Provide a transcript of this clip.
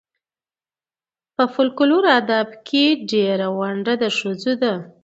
په فولکور ادب کې ډېره ونډه د ښځو ده.